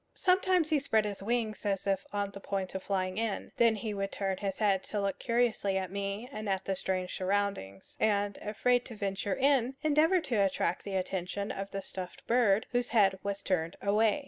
Sometimes he spread his wings as if on the point of flying in; then he would turn his head to look curiously at me and at the strange surroundings, and, afraid to venture in, endeavor to attract the attention of the stuffed bird, whose head was turned away.